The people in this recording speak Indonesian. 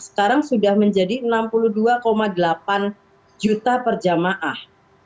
sekarang sudah menjadi enam puluh dua delapan juta per jemaah